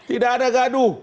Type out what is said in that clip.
tidak ada gaduh